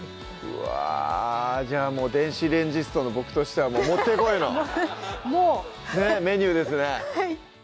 うわぁじゃあもう電子レンジストのボクとしてはもってこいのメニューですね